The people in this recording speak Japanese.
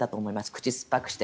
口酸っぱくして。